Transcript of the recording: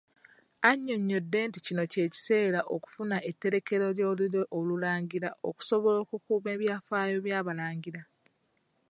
Anyonnyodde nti kino kye kiseera okufuna etterekero ly'olulyo Olulangira okusobola okukuuma ebyafaayo by'Abalangira.